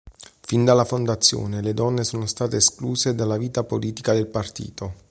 Fin dalla fondazione le donne sono state escluse dalla vita politica del partito.